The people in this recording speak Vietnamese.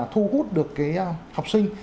thu hút được cái học sinh